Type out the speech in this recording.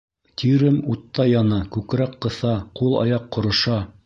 Тирем уттай яна, күкрәк ҡыҫа, ҡул-аяҡ ҡороша.